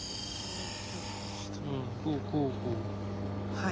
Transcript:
はい。